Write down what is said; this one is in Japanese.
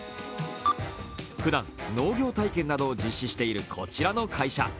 ふだん農業体験などを実施しているこちらの会社。